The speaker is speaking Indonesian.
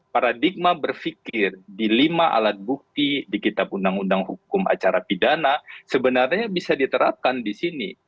paradigma berpikir di lima alat bukti di kitab undang undang hukum acara pidana sebenarnya bisa diterapkan di sini